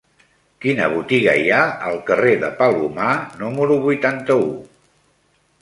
Quina botiga hi ha al carrer de Palomar número vuitanta-u?